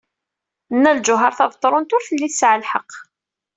Nna Lǧuheṛ Tabetṛunt ur telli tesɛa lḥeqq.